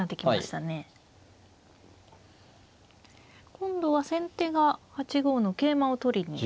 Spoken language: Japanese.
今度は先手が８五の桂馬を取りに行って。